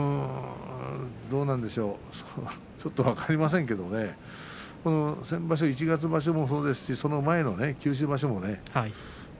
どうなんでしょうねちょっと分かりませんけれど先場所、一月場所もそうですしその前の九州場所もね